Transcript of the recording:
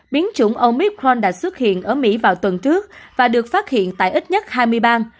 biến chủng omith orn đã xuất hiện ở mỹ vào tuần trước và được phát hiện tại ít nhất hai mươi bang